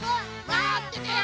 まっててよ！